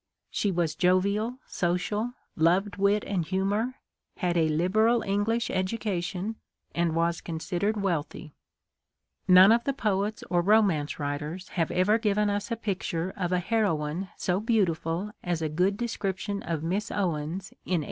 She was jovial, social, loved wit and humor, had a liberal English educa tion, and was considered wealthy. None of the poets or romance writers have ever given us a pict ure of a heroine so beautiful as a good description of Miss Owens in 1836 would be."